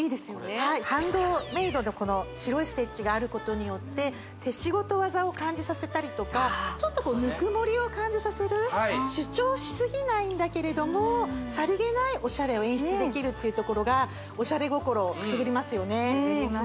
はいハンドメイドのこの白いステッチがあることによって手仕事技を感じさせたりとかちょっとぬくもりを感じさせる主張しすぎないんだけれどもっていうところがくすぐりますね